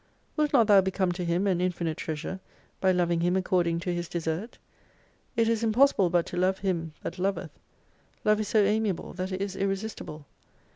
Wilt not thou become to Him an infinite treasure, by loving Him according to His desert ? It is impossible but to love Him that loveth. Love is so amiable that it is irresistible.